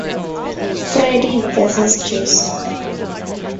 "Freddy versus Jason".